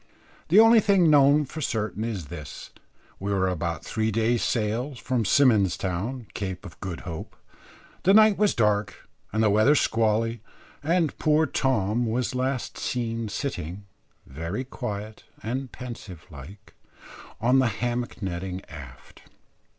The only thing known for certain is this: we were about three days' sail from Symon's Town, Cape of Good Hope. The night was dark and the weather squally, and poor Tom was last seen sitting, very quiet and pensive like, on the hammock nettings aft.